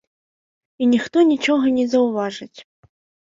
І ніхто нічога не заўважыць.